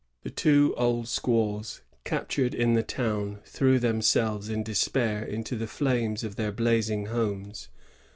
The two old squaws captured in the town threw themselves in despair into the flames of their blazing homes.